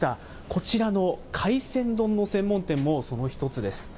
こちらの海鮮丼の専門店もその１つです。